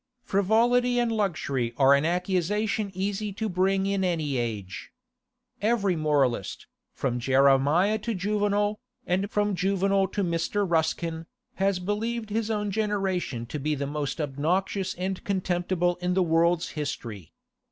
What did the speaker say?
Frivolity and luxury are an accusation easy to bring against any age. Every moralist, from Jeremiah to Juvenal, and from Juvenal to Mr. Ruskin, has believed his own generation to be the most obnoxious and contemptible in the world's history.